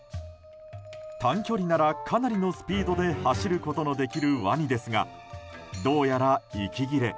短距離ならかなりのスピードで走ることのできるワニですがどうやら息切れ。